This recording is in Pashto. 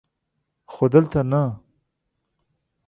خو دلته نه!